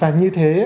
và như thế